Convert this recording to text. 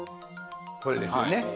これですよね。